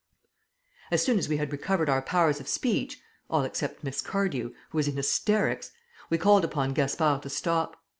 As soon as we had recovered our powers of speech all except Miss Cardew, who was in hysterics we called upon Gaspard to stop.